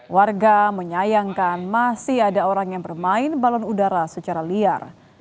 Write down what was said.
warga menyayangkan masih ada orang yang bermain balon udara secara liar